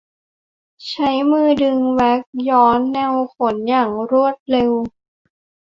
ใช้มือดึงแว็กซ์ย้อนแนวขนอย่างรวดเร็ว